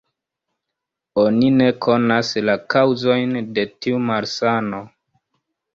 Oni ne konas la kaŭzojn de tiu malsano.